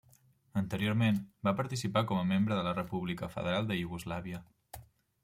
Anteriorment, va participar com a membre de la República Federal de Iugoslàvia.